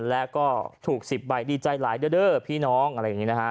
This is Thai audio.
แล้วก็ถูก๑๐ใบดีใจหลายเด้อพี่น้องอะไรอย่างนี้นะฮะ